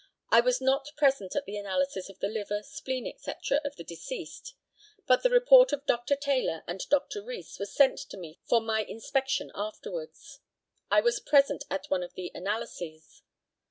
I was not present at the analysis of the liver, spleen, &c., of the deceased; but the report of Dr. Taylor and Dr. Rees was sent to me for my inspection afterwards. I was present at one of the analyses.